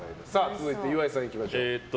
続いて、岩井さんいきましょう。